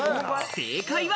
正解は。